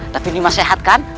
tapi nyi mas sehat kan